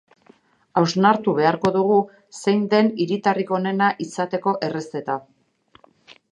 Hausnartu beharko dugu, zein den hiritarrik onena izateko errezeta.